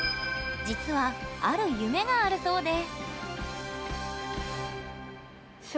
実は、ある夢があるそうで。